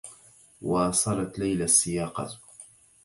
واصلت ليلى السّياقة.